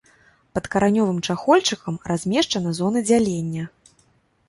Пад каранёвым чахольчыкам размешчана зона дзялення.